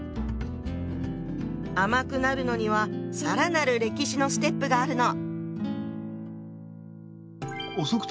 甘くなるのには更なる歴史のステップがあるの。